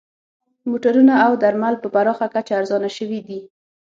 موټرونه او درمل په پراخه کچه ارزانه شوي دي